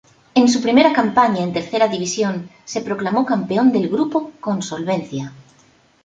En su primera campaña en Tercera División se proclamó campeón del grupo con solvencia.